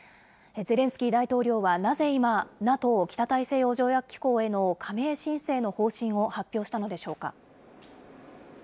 ゼレンスキー大統領は、なぜ今、ＮＡＴＯ・北大西洋条約機構への加盟申請の方針を発表したのでしょうか。